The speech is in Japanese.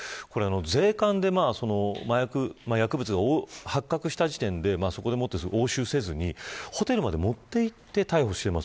税関で麻薬、薬物が発覚した時点でそこでもって、押収せずにホテルまで持っていって逮捕してます。